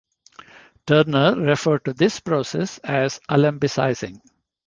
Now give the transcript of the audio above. Turner referred to this process as "Alembicizing".